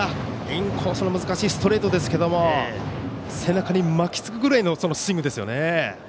インコースの難しいストレートですけど背中に巻きつくくらいのスイングですよね。